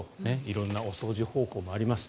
色んなお掃除方法もあります。